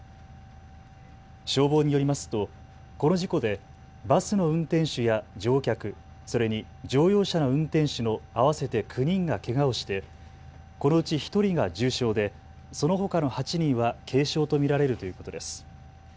消防によりますとこの事故でバスの運転手や乗客、それに乗用車の運転手の合わせて９人がけがをしてこのうち１人が重傷でそのほかの８人は軽傷と見られるということです。